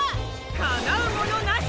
かなうものなし！